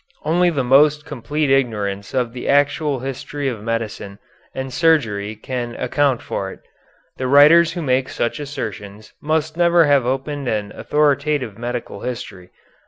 Only the most complete ignorance of the actual history of medicine and surgery can account for it. The writers who make such assertions must never have opened an authoritative medical history.